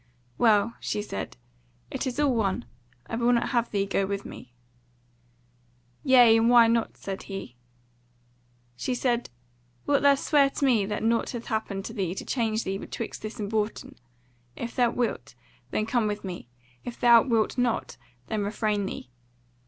"Well," she said, "it is all one, I will not have thee go with me." "Yea, and why not?" said he. She said: "Wilt thou swear to me that nought hath happed to thee to change thee betwixt this and Bourton? If thou wilt, then come with me; if thou wilt not, then refrain thee.